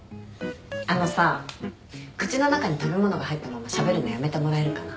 あのさ口の中に食べ物が入ったまましゃべるのやめてもらえるかな。